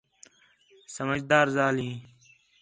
سمجھدار ذال ہیں